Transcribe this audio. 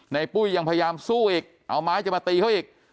ปุ้ยยังพยายามสู้อีกเอาไม้จะมาตีเขาอีก